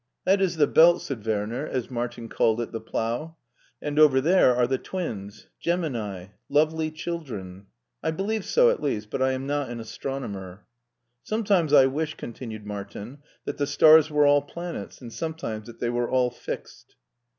" That is the Belt," said' Werner, as Martin called it the Plough ;" and over there are the twins, Gemini, Lovely Children. I believe so, at least, but I am not an astronomer." " Sometimes I wish," continued Martin, " that the stars were all planets, and sometimes that they were all fixed."